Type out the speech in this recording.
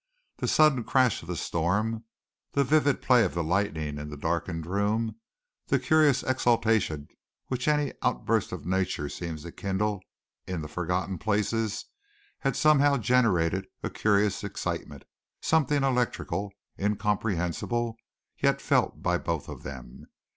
The sudden crash of the storm, the vivid play of the lightning in the darkened room, the curious exultation which any outburst of nature seems to kindle in the forgotten places, had somehow generated a curious excitement something electrical, incomprehensible, yet felt by both of them.